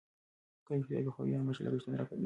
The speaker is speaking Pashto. کله چې روغتیايي پوهاوی عام شي، لګښتونه راکمېږي.